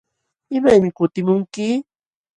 ¿Imaymi kutimunki?